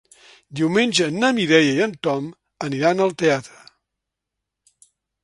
Diumenge na Mireia i en Tom aniran al teatre.